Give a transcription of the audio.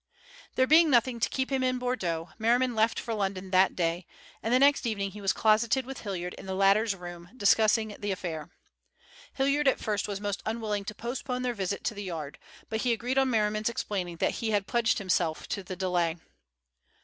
There being nothing to keep him in Bordeaux, Merriman left for London that day, and the next evening he was closeted with Hilliard in the latter's rooms, discussing the affair. Hilliard at first was most unwilling to postpone their visit to the Yard but he agreed on Merriman's explaining that he had pledged himself to the delay.